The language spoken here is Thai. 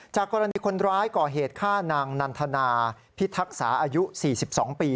กรณีคนร้ายก่อเหตุฆ่านางนันทนาพิทักษาอายุ๔๒ปี